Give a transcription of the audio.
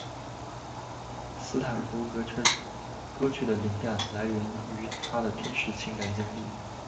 斯坦伯格称歌曲的灵感来源于他的真实情感经历。